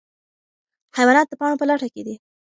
حیوانات د پاڼو په لټه کې دي.